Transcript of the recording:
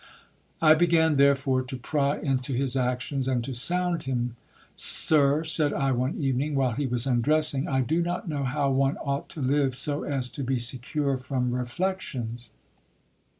I began, therefore, to pry into his actions ; and to sound him, Sir, said I one evening while he was undressing, I do not know how one ought to live so as to be secure from reflections.